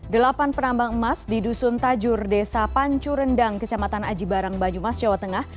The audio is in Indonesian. delapan penambang emas di dusun tajur desa pancu rendang kecamatan aji barang banyumas jawa tengah